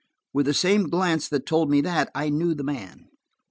With the same glance that told me that, I knew the man.